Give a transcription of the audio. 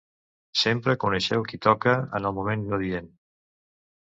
Sempre coneixeu qui toca, en el moment adient.